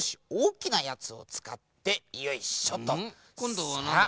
こんどはなんだ？